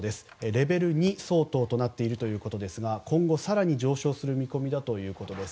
レベル２相当となっているということですが今後、更に上昇する見込みだということです。